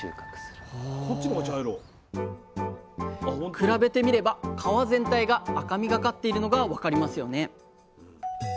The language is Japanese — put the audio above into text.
比べてみれば皮全体が赤みがかっているのが分かりますよね？